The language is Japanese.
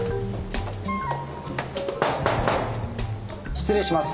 失礼します。